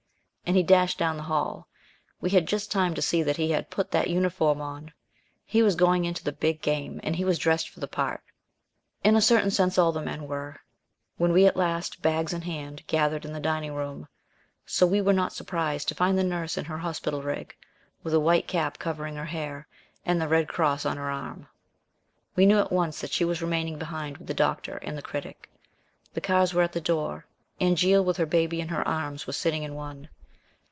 And he dashed down the hall. We had just time to see that he had "put that uniform on." He was going into the big game, and he was dressed for the part. In a certain sense, all the men were, when we at last, bags in hand, gathered in the dining room, so we were not surprised to find the Nurse in her hospital rig, with a white cap covering her hair, and the red cross on her arm. We knew at once that she was remaining behind with the Doctor and the Critic. The cars were at the door. Angéle, with her baby in her arms, was sitting in one.